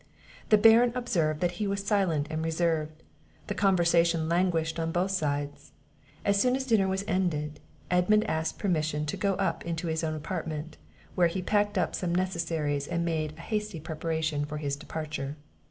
The Baron observed that he was silent and reserved; the conversation languished on both sides. As soon as dinner was ended, Edmund asked permission to go up into his own apartment; where he packed up some necessaries, and made a hasty preparation for his departure.